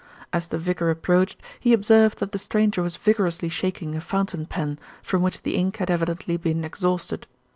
As the vicar approached, he observed that the stranger was vigorously shaking a fountain pen, from which the ink had evidently been exhausted.